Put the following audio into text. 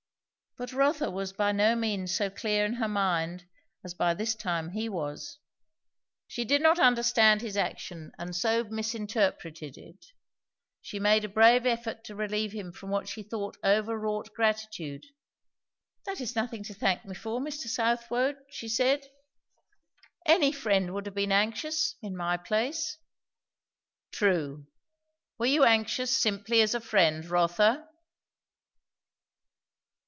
But Rotha was by no means so clear in her mind as by this time he was. She did not understand his action, and so misinterpreted it. She made a brave effort to relieve him from what she thought overwrought gratitude. "That is nothing to thank me for, Mr. Southwode," she said. "Any friend would have been anxious, in my place." "True. Were you anxious simply as a friend, Rotha?"